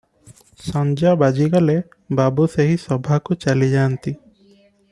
ସଞ୍ଜ ବାଜିଗଲେ ବାବୁ ସେହି ସଭାକୁ ଚାଲିଯାନ୍ତି ।